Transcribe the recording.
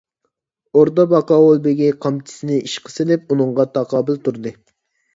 ئوردا باقاۋۇل بېگى قامچىسىنى ئىشقا سېلىپ ئۇنىڭغا تاقابىل تۇردى.